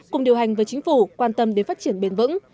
cùng điều hành với chính phủ quan tâm đến phát triển bền vững